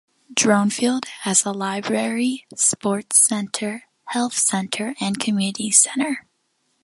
Dronfield has a library, sports centre, health centre and community centre.